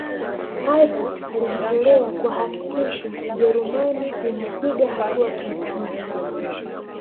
albert alijitolea kuhakikisha ujerumani inapiga hatua kiuchumi